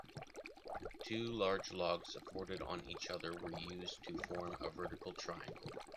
Two large logs supported on each other were used to form a vertical triangle.